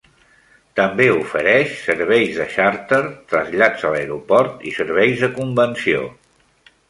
També ofereix serveis de xàrter, trasllats a l'aeroport i serveis de convenció.